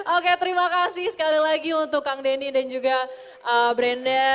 oke terima kasih sekali lagi untuk kang denny dan juga brenda